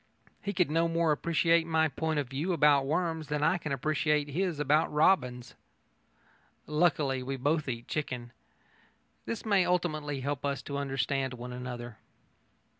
He could no more appreciate my point of view about worms than I can appreciate his about robins. Luckily, we both eat chicken. This may ultimately help us to understand one another.